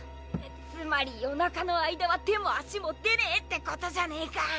つまり夜中の間は手も足も出ねえってことじゃねえか！？